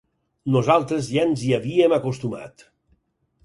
Nosaltres ja ens hi havíem acostumat.